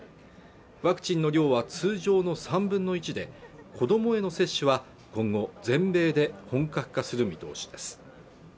ワクチンの量は通常の３分の１で子どもへの接種は今後全米で本格化する見通しです